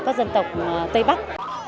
các dân tộc tây bắc